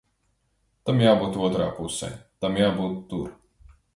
Tam jābūt otrā pusē. Tam jābūt tur!